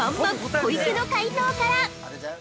小池の解答から！